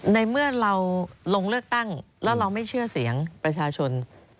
ในเมื่อเราลงเลือกตั้งแล้วเราไม่เชื่อเสียงประชาชน